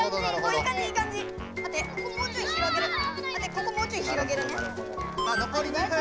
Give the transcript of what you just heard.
ここもうちょい広げるね。